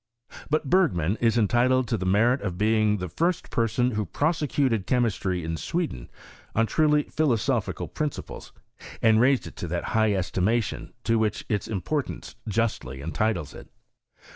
But Bergman is entitled to the merit of being the first person who prosecuted chemistry in Sweden on truly philosophi cal principles, and raised it to that high estimation to which its importance justly entitles it.